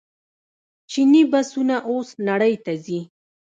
چیني بسونه اوس نړۍ ته ځي.